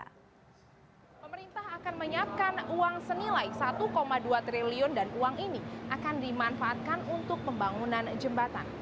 pemerintah akan menyiapkan uang senilai satu dua triliun dan uang ini akan dimanfaatkan untuk pembangunan jembatan